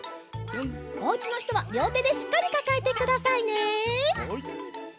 おうちのひとはりょうてでしっかりかかえてくださいね。